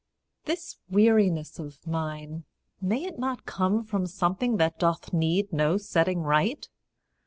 This weariness of mine, may it not come From something that doth need no setting right?